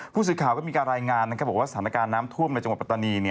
ผู้สื่อข่าวก็มีการรายงานบอกว่าสถานการณ์น้ำท่วมในจังหวัดปัตตานี